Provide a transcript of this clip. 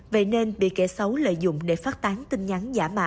vậy nên bị kẻ xấu lợi dụng để phát tán tin nhắn